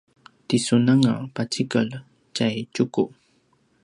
ti sun anga pacikel tjay Tjuku